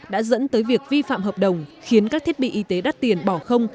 đã dẫn tới việc vi phạm hợp đồng khiến các thiết bị y tế đắt tiền bỏ không